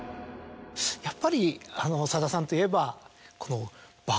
やっぱりさださんといえば。